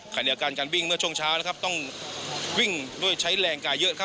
คันเอการการวิ่งเมื่อช่วงเช้าต้องวิ่งด้วยใช้แรงกายเยอะ